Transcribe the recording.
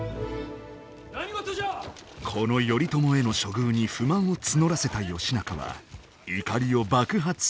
この頼朝への処遇に不満を募らせた義仲は怒りを爆発させる。